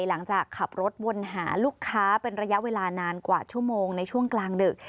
หลังจากขับรถวนหาลูกค้าเป็นระยะเวลานานกว่าชั่วโมงในช่วงกลางดึก